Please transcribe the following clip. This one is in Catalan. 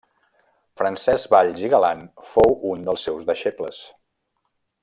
Francesc Valls i Galan fou un dels seus deixebles.